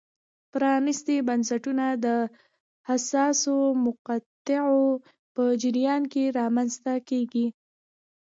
پرانیستي بنسټونه د حساسو مقطعو په جریان کې رامنځته کېږي.